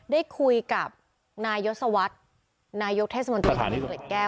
ได้คุยกับนายยศวรรษนายกเทศมนตรีเกร็ดแก้ว